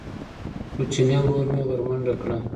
کوچیني ورور مې ورمنډه کړه.